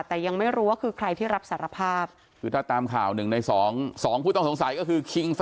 แต่ยังไม่รู้ว่าคือใครที่รับสารภาพคือถ้าตามข่าวหนึ่งในสอง